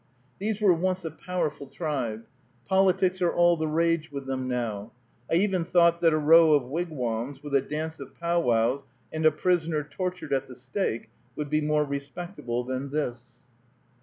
These were once a powerful tribe. Politics are all the rage with them now. I even thought that a row of wigwams, with a dance of powwows, and a prisoner tortured at the stake, would be more respectable than this.